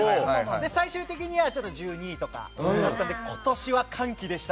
最終的には１２位とかだったので今年は歓喜でした。